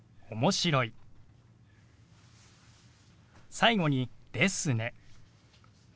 最後に「ですね」。